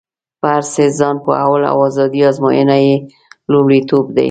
په هر څه ځان پوهول او ازادي ازموینه یې لومړیتوب دی.